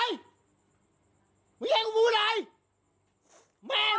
หนูไม่อยู่หรอกพ่อ